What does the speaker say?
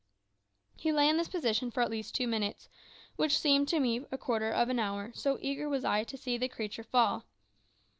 He lay in this position for at least two minutes, which seemed to me a quarter of an hour, so eager was I to see the creature fall.